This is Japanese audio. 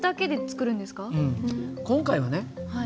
今回はね